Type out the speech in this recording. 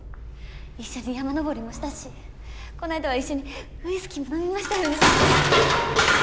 一緒に山登りもしたしこの間は一緒にウイスキーも飲みましたよね。